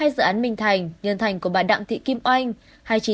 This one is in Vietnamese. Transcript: hai dự án minh thành nhân thành của bà đặng thị kim oanh